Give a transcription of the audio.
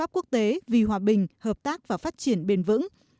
pháp quốc tế vì hòa bình hợp tác và phát triển bền vững